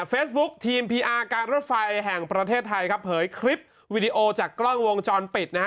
เฟซบุ๊คทีมพีอาร์การรถไฟแห่งประเทศไทยครับเผยคลิปวิดีโอจากกล้องวงจรปิดนะฮะ